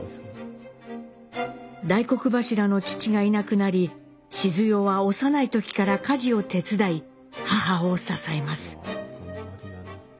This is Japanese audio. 大黒柱の父がいなくなりシズヨは幼い時から家事を手伝い母を支えます。